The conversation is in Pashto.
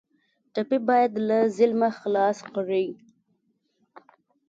ټپي باید له ظلمه خلاص کړئ.